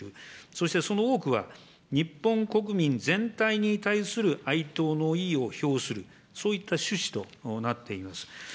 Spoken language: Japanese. そしてその多くは、日本国民全体に対する哀悼の意を表する、そういった趣旨となっています。